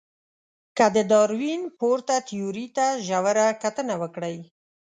که د داروېن پورته تیوري ته ژوره کتنه وکړئ.